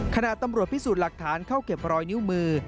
ขณะตำรวจพิสูจน์หลักฐานเข้าเก็บรอยนิ้วมือ